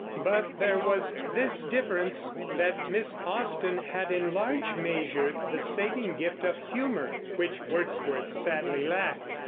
But there was this difference, that Miss Austen had in large measure the saving gift of humor, which Wordsworth sadly lacked.